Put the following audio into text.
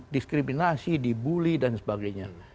diskriminasi dibully dan sebagainya